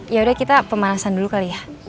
yaudah kita pemanasan dulu kali ya